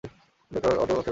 Doctor Otto Octavius.